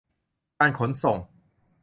การขนส่ง